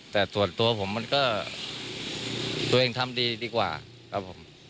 แต่ส่วนตัวผมมันก็ตัวเองทำดีดีกว่าครับผม